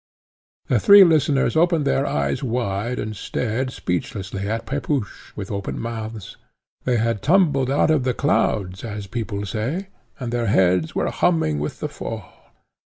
The three listeners opened their eyes wide, and stared, speechlessly, at Pepusch, with open mouths. They had tumbled out of the clouds, as people say, and their heads were humming with the fall.